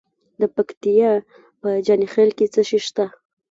د پکتیا په جاني خیل کې څه شی شته؟